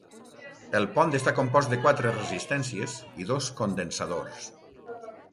El pont està compost de quatre resistències i dos condensadors.